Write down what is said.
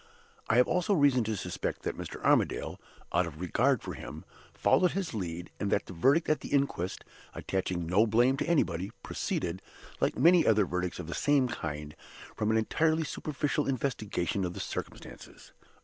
I have also reason to suspect that Mr. Armadale, out of regard for him, followed his lead, and that the verdict at the inquest (attaching no blame to anybody) proceeded, like many other verdicts of the same kind, from an entirely superficial investigation of the circumstances.